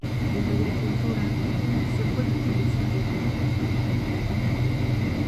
En agricultura, se puede utilizar como abono.